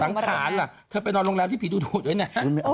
สังขารเธอไปล้อโรงแรมที่ผีดูดหูดไว้นะ